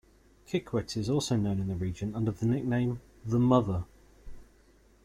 Kikwit is also known in the region under the nickname "The Mother".